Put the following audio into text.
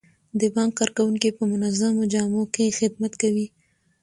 د بانک کارکوونکي په منظمو جامو کې خدمت کوي.